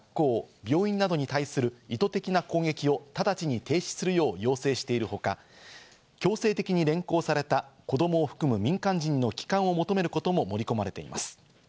病院などに対する意図的な攻撃を直ちに停止するよう要請しているほか、強制的に連行された子供を含む民間人の帰還を求めることも盛り込まれています。